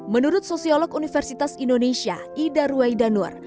menurut sosiolog universitas indonesia ida ruwaidanur